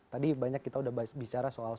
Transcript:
tadi banyak kita udah bicara soal